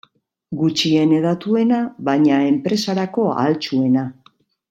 Gutxien hedatuena baina enpresarako ahaltsuena.